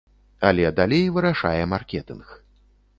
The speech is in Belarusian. Але далей вырашае маркетынг.